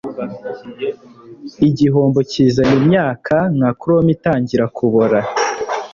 igihombo kizana imyaka, nka chrome itangira kubora